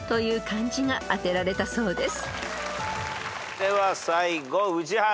では最後宇治原。